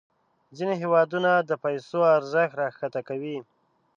ځینې هیوادونه د پیسو ارزښت راښکته کوي.